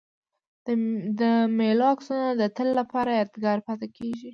د مېلو عکسونه د تل له پاره یادګار پاته کېږي.